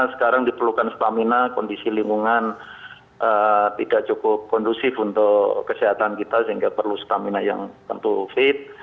sekarang diperlukan stamina kondisi lingkungan tidak cukup kondusif untuk kesehatan kita sehingga perlu stamina yang tentu fit